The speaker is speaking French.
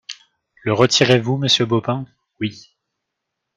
Le retirez-vous, monsieur Baupin ? Oui.